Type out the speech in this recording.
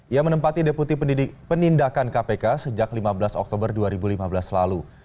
ia menempati deputi penindakan kpk sejak lima belas oktober dua ribu lima belas lalu